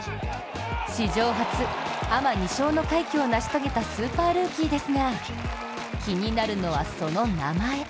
史上初、アマ２勝の快挙を成し遂げたスーパールーキーですが気になるのは、その名前。